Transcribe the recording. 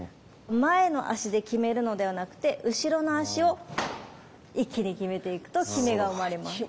前の足で極めるのではなくて後ろの足を一気に極めていくと極めが生まれます。